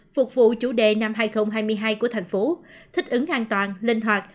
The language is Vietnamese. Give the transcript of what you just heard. phục vụ chủ đề năm hai nghìn hai mươi hai của thành phố thích ứng an toàn linh hoạt